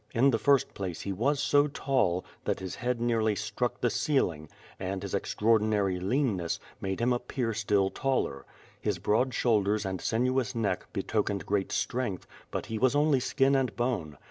In the first place he was so tall, that his head nearly struck the ceil ing, and his extraordinary leanness, made him appear still taller. His broad shoulders and sinuous neck betokened great strength, but he was only skin and bone.